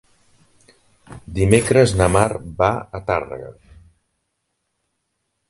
Dimecres na Mar va a Tàrrega.